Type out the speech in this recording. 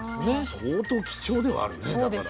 相当貴重ではあるよねだから。